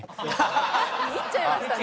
見入っちゃいましたね。